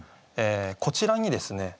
こちらにですね